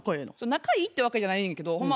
仲いいってわけじゃないねんけどほんま